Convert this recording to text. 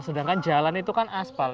sedangkan jalan itu kan aspal